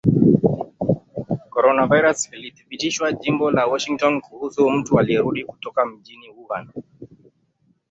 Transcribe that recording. Coronavirus ilithibitishwa jimbo la Washington kuhusu mtu aliyerudi kutoka mjini Wuhan